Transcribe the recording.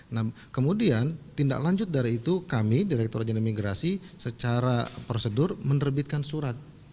nah kemudian tindak lanjut dari itu kami direkturat jenderal imigrasi secara prosedur menerbitkan surat